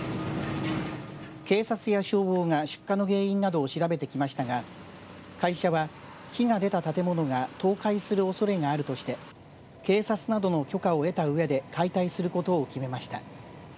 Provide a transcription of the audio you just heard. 警察や消防が出火の原因などを調べてきましたが会社は火が出た建物が倒壊するおそれがあるとして警察などの許可を得たうえで解体することを決めました。